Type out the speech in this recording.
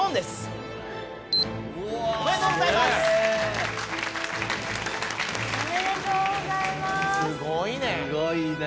すごいね。